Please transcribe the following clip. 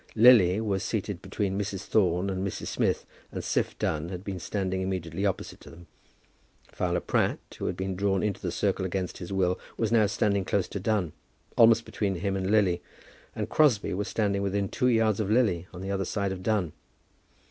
Lily was seated between Mrs. Thorne and Mrs. Smith, and Siph Dunn had been standing immediately opposite to them. Fowler Pratt, who had been drawn into the circle against his will, was now standing close to Dunn, almost between him and Lily, and Crosbie was standing within two yards of Lily, on the other side of Dunn.